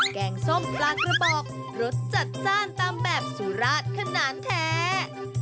แกงส้มปลากระบอกรสจัดจ้านตามแบบสุราชขนาดแท้